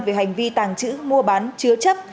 về hành vi tàng trữ mua bán chứa chấp